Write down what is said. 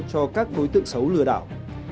cho các đối tượng xấu lừa đảo